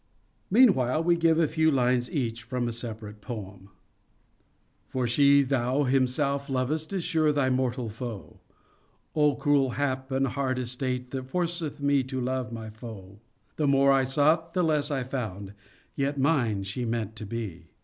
Meanwhile we give a few lines each from a separate poem :—" For she thou (himself) lovest is sure thy mortal foe." 11 0 cruel hap and hard estate that forceth me to love my foe." " The more I sought the less I found Yet mine she meant to be."